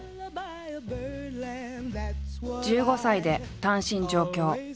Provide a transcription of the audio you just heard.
１５歳で単身上京。